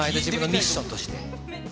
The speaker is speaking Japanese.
ミッションとして。